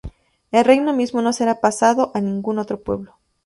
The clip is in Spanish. Y el reino mismo no será pasado a ningún otro pueblo.